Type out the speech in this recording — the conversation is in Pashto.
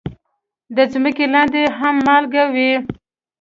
د ځمکې لاندې هم مالګه وي.